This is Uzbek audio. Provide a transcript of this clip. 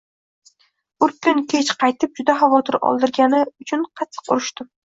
Bir kun kech qaytib juda xavotir oldirgani uchun qattiq urishdim